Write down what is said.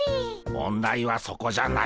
問題はそこじゃないでゴンス。